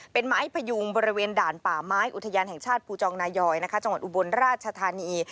เป็นไม้พยุงบริเวณด่านป่าไม้อุทยานแห่งชาติภูจองนายอยจังหวัดอุบลราชธานี